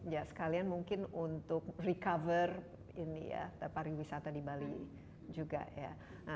ya sekalian mungkin untuk recover pariwisata di bali juga ya